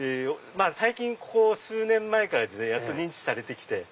ここ数年前からやっと認知されて来て。